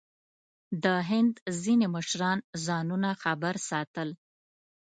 د هند ځینې مشران ځانونه خبر ساتل.